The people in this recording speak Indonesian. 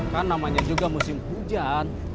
kan namanya juga musim hujan